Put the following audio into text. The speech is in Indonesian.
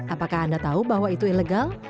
apakah anda tahu bahwa itu ilegal